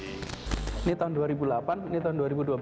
ini tahun dua ribu delapan ini tahun dua ribu dua belas